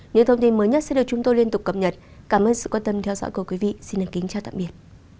những thông tin mới nhất sẽ được chúng tôi liên tục cập nhật cảm ơn sự quan tâm theo dõi của quý vị xin kính chào tạm biệt